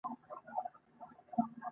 ولایتونه د صنعت لپاره ځینې مواد برابروي.